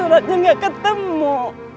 nabak meski tak bukaolin kamu